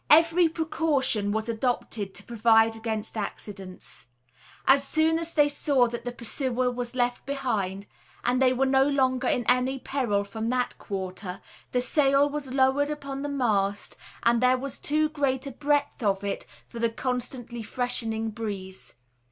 Every precaution was adopted to provide against accidents. As soon as they saw that the pursuer was left behind, and they were no longer in any peril from that quarter, the sail was lowered upon the mast, as there was too great a breadth of it for the constantly freshening breeze.